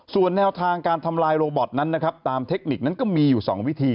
ส่วนแนวทางการทำลายโรบอตนั้นนะครับตามเทคนิคนั้นก็มีอยู่๒วิธี